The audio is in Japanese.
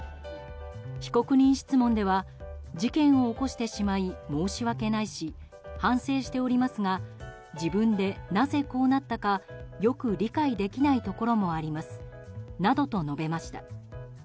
被告人質問では事件を起こしてしまい申し訳ないし反省しておりますが自分でなぜこうなったかよく理解できないところもありますなどと述べました。